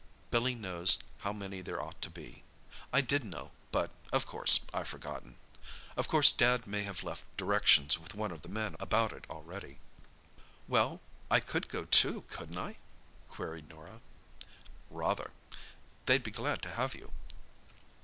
Billy knows how many there ought to be. I did know, but, of course, I've forgotten. Of course Dad may have left directions with one of the men about it already." "Well, I could go too, couldn't I?" queried Norah. "Rather. They'd be glad to have you."